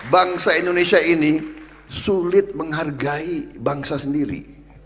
bangsa indonesia ini sulit menghargai bangsa sendiri